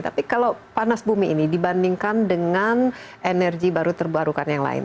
tapi kalau panas bumi ini dibandingkan dengan energi baru terbarukan yang lain